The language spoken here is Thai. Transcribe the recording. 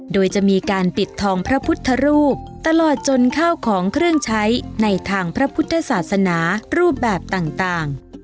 โดยจะมีการปิดทองพระพุทธรูปตลอดจนข้าวของเครื่องใช้ในทางพระพุทธศาสนารูปแบบต่าง